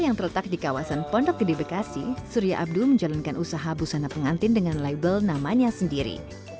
yang terletak di kawasan pondok gede bekasi surya abdul menjalankan usaha busana pengantin dengan label namanya sendiri